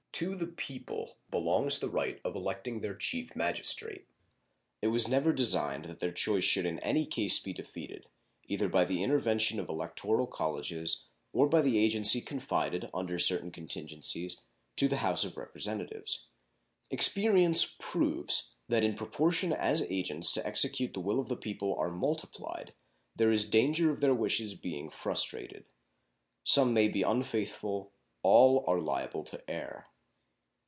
To the people belongs the right of electing their Chief Magistrate; it was never designed that their choice should in any case be defeated, either by the intervention of electoral colleges or by the agency confided, under certain contingencies, to the House of Representatives. Experience proves that in proportion as agents to execute the will of the people are multiplied there is danger of their wishes being frustrated. Some may be unfaithful; all are liable to err.